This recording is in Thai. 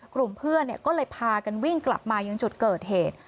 กลุ่มเพื่อนก็เลยพากันวิ่งกลับมายังจุดเกิดเหตุ